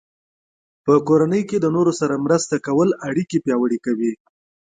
په کورنۍ کې د نورو سره مرسته کول اړیکې پیاوړې کوي.